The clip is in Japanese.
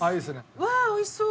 うわおいしそう！